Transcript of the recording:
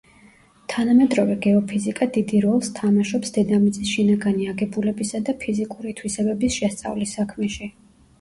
თანამედროვე გეოფიზიკა დიდი როლს თამაშობს დედამიწის შინაგანი აგებულებისა და ფიზიკური თვისებების შესწავლის საქმეში.